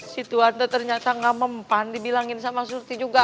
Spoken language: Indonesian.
si tuhan tuh ternyata gak mempan dibilangin sama sorti juga